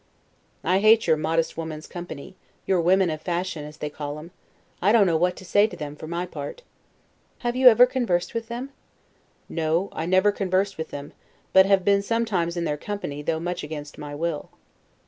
Englishman. I hate your modest women's company; your women of fashion as they call 'em; I don't know what to say to them, for my part. Stanhope. Have you ever conversed with them? Englishman. No; I never conversed with them; but have been sometimes in their company, though much against my will.